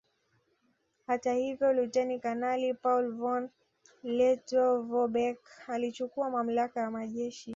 Hata hivyo Luteni Kanali Paul von Lettow Vorbeck alichukua mamlaka ya majeshi